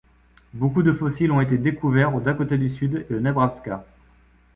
Beaucoup de fossiles ont été découverts au Dakota du Sud et au Nebraska.